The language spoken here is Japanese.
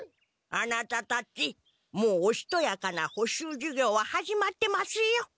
あなたたちもう「おしとやかな補習授業」は始まってますよ。